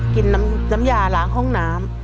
กินน้ำยาล้างห้องน้ำ